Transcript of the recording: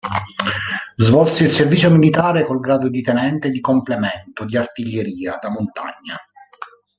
Svolse il servizio militare col grado di tenente di complemento di Artiglieria da montagna.